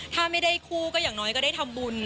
ถ้าไม่ได้คู่ก็อย่างน้อยก็ได้ทำบุญ